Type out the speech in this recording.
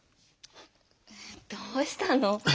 えどうしたの？